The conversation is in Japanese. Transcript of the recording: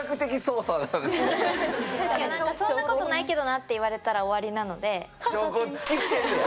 「そんなことないけどな」って言われたら終わりなので。